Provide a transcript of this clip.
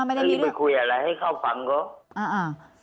ไม่ได้มีไปคุยอะไรให้เข้าฟังก็อ่าอ่า